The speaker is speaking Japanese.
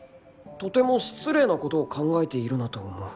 とても失礼なことを考えているなと思う